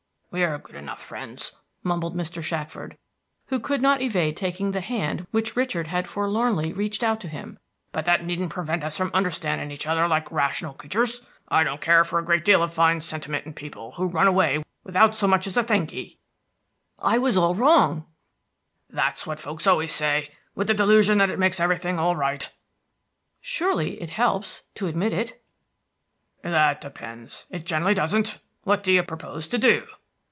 "We are good enough friends," mumbled Mr. Shackford, who could not evade taking the hand which Richard had forlornly reached out to him, "but that needn't prevent us understanding each other like rational creatures. I don't care for a great deal of fine sentiment in people who run away without so much as thank you." "I was all wrong!" "That's what folks always say, with the delusion that it makes everything all right." "Surely it help, to admit it." "That depends; it generally doesn't. What do you propose to do?"